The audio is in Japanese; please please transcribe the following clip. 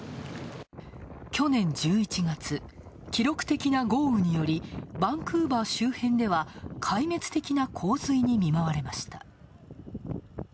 去年１１月、記録的な豪雨によりバンクーバー周辺では、壊滅的な洪水に見舞われました。